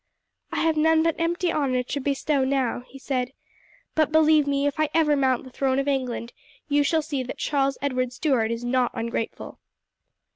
"I have none but empty honour to bestow now," he said; "but believe me, if I ever mount the throne of England you shall see that Charles Edward Stuart is not ungrateful."